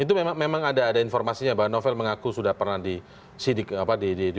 itu memang ada informasinya bahwa novel mengaku sudah pernah diperiksa gitu ya